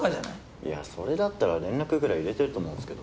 いやそれだったら連絡ぐらい入れてると思うんすけど。